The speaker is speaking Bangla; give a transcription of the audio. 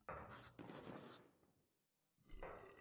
শাড়িটি পরার পর থেকেই হয়তো আসমানি নামটি আপনার মাথায় ঘুরছে।